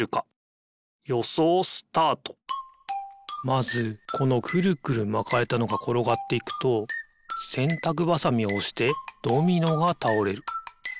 まずこのくるくるまかれたのがころがっていくとせんたくばさみをおしてドミノがたおれる。